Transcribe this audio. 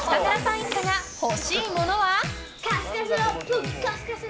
一家が欲しいものは？